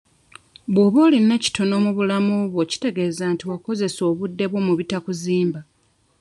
Bw'oba olina kitono mu bulamu bwo kitegeeza nti wakozesa obudde bwo mu bitakuzimba.